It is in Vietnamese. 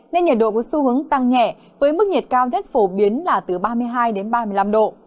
nên nhiệt độ có xu hướng tăng nhẹ với mức nhiệt cao nhất phổ biến là từ ba mươi hai đến ba mươi năm độ